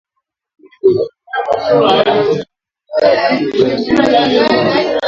Madhara ya upungufu wa vitamini A mwilini